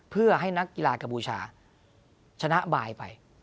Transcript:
เพื่อให้นักกีฬากัมพูชาชนะบายไป